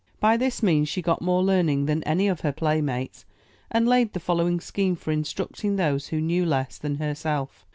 By this means she got more learning than any of her play mates, and laid the following scheme for instructing those who knew less than herself.